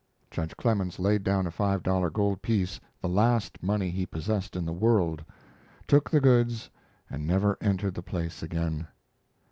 Judge Clemens laid down a five dollar gold piece, the last money he possessed in the world, took the goods, and never entered the place again.